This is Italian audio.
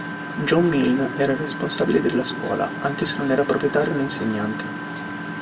John Milne era il responsabile della scuola, anche se non era proprietario né insegnante.